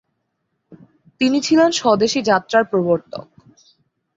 তিনি ছিলেন স্বদেশী যাত্রার প্রবর্তক।